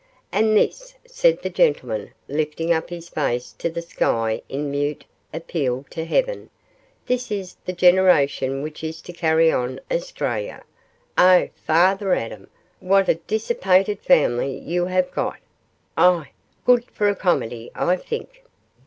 'And this,' said the gentleman, lifting up his face to the sky in mute appeal to heaven, 'this is the generation which is to carry on Australia. Oh, Father Adam, what a dissipated family you have got ah! good for a comedy, I think.